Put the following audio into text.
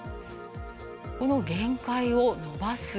この限界を伸ばす。